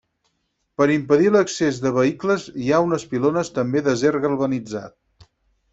Per impedir l'accés de vehicles hi ha unes pilones també d'acer galvanitzat.